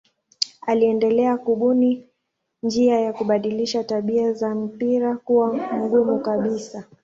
Aliendelea kubuni njia ya kubadilisha tabia za mpira kuwa mgumu kabisa.